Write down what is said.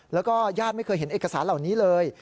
แล้วก็ญาติไม่เคยเห็นเอกสารเหล่านี้เลย